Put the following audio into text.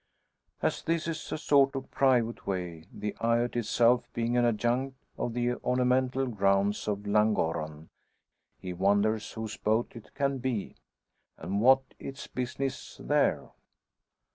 As this is a sort of private way, the eyot itself being an adjunct of the ornamental grounds of Llangorren, he wonders whose boat it can be, and what its business there.